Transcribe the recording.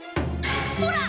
ほら！